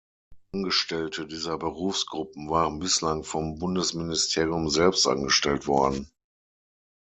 Angestellte dieser Berufsgruppen waren bislang vom Bundesministerium selbst angestellt worden.